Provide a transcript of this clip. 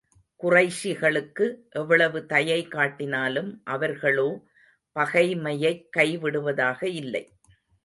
குறைஷிகளுக்கு எவ்வளவு தயை காட்டினாலும், அவர்களோ பகைமையைக் கை விடுவதாக இல்லை.